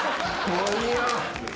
もういいよ。